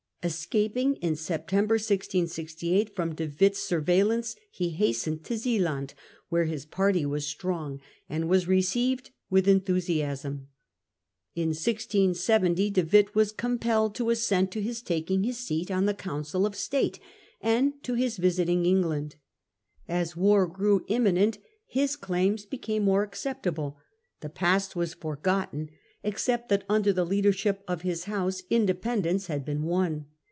Escaping in September, 1668, from De Witt's surveih lance, he hastened to Zealand, where his party was. strong, and was received with enthusiasm. In 1670 De Witt was compelled to assent to his taking his seat on the Council of State, and to his visiting England. As war grew imminent his claims became more acceptable ; the past was forgotten, except that under the leadership of his house independence had been won.